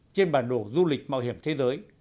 trên bản đồ du lịch mạo hiểm thế giới